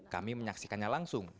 kami menyaksikannya langsung